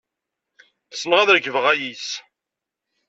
Ssneɣ ad rekbeɣ ayis.